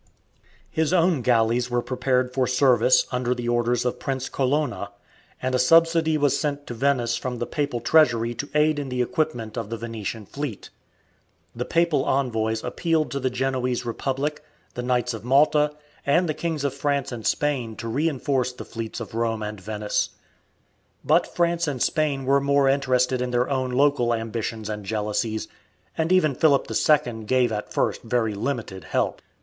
His own galleys were prepared for service under the orders of Prince Colonna, and a subsidy was sent to Venice from the papal treasury to aid in the equipment of the Venetian fleet. The papal envoys appealed to the Genoese Republic, the Knights of Malta, and the Kings of France and Spain to reinforce the fleets of Rome and Venice. But France and Spain were more interested in their own local ambitions and jealousies, and even Philip II gave at first very limited help.